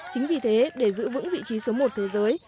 chính vì thế để giữ vững vị trí số một thế giới